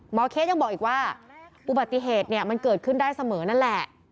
เคสยังบอกอีกว่าอุบัติเหตุเนี่ยมันเกิดขึ้นได้เสมอนั่นแหละ